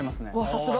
さすが。